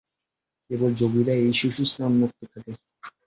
কেবল যোগীরই এই সুষুম্না উন্মুক্ত থাকে।